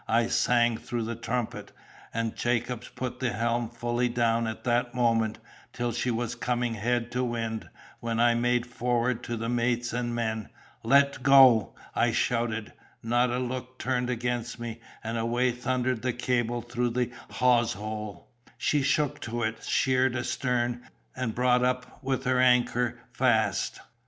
I sang through the trumpet; and Jacobs put the helm fully down at that moment, till she was coming head to wind, when I made forward to the mates and men. 'Let—go!' I shouted; not a look turned against me, and away thundered the cable through the hawse hole; she shook to it, sheered astern, and brought up with her anchor fast.